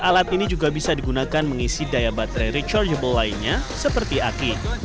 alat ini juga bisa digunakan mengisi daya baterai rechargeable lainnya seperti aki